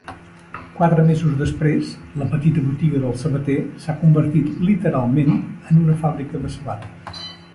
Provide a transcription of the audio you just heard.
Quatre mesos després, la petita botiga del sabater s'ha convertit literalment en una fàbrica de sabates.